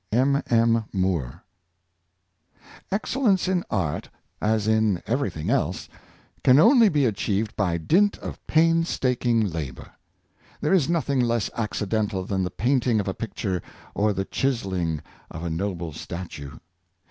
''— M. M. MoORE. XCELLENCE in art, as in everything else, can only be achieved by dint of painstaking labor. There is nothing less accidental than the painting of a picture or the chiselling of a noble statue.